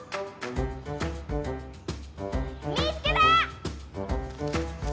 見つけた！